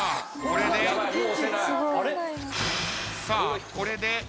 さあこれで。